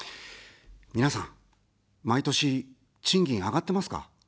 皆さん、毎年、賃金上がってますか。